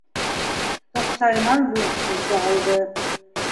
Тоҡсайынан бурһыҡ ите алды.